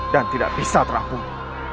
dan tidak bisa terampung